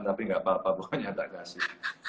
tapi nggak apa apa pokoknya tak kasih